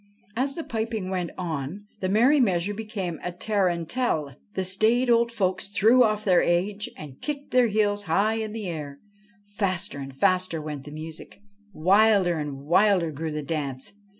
As the piping went on, the merry measure became a tarantelle. The staid old folks threw off their age, and kicked their heels high in the air. Faster and faster went the music ; wilder and wilder grew the dance.